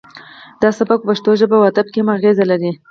دا سبک په پښتو ژبه او ادب کې هم اغیز لري